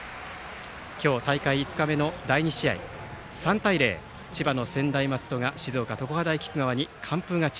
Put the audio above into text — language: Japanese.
今日、大会５日目の第２試合３対０、千葉の専大松戸が静岡・常葉大菊川に完封勝ち。